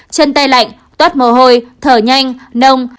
chân tay lạnh toát mồ hôi thở nhanh nông